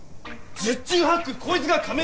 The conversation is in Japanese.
十中八九こいつが仮面